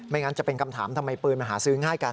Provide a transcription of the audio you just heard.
งั้นจะเป็นคำถามทำไมปืนมาหาซื้อง่ายกัน